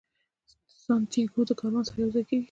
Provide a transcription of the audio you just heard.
سانتیاګو د کاروان سره یو ځای کیږي.